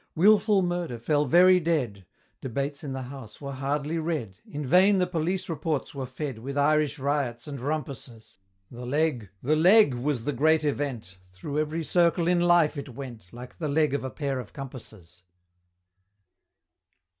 Wilful murder fell very dead; Debates in the House were hardly read; In vain the Police Reports were fed With Irish riots and rumpuses The Leg! the Leg! was the great event, Through every circle in life it went, Like the leg of a pair of compasses.